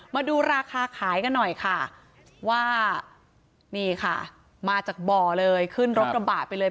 มาราคาขายกันหน่อยค่ะมาจากบ่รเลยขึ้นรกลำบากไปเลย